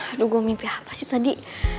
aduh gue mimpi apa sih tadi